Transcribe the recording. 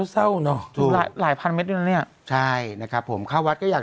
ต้องไหว้ก่อนเนอะ